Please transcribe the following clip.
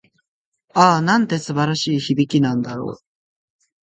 ああ、なんて素晴らしい響きなんだろう。